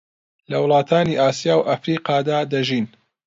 لە وڵاتانی ئاسیا و ئەفریقادا دەژین